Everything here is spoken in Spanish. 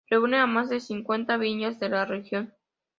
Reúne a más de cincuenta viñas de la región.